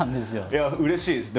いやうれしいです。